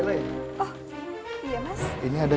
saya tadi saja